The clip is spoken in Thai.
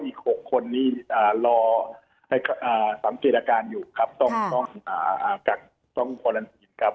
แล้วก็อีก๖คนนี่รอสำเกตาการอยู่ครับต้องกลับต้องเวอร์แรนทีส